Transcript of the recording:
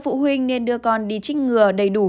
phụ huynh nên đưa con đi trích ngừa đầy đủ